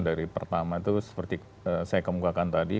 dari pertama itu seperti saya kemukakan tadi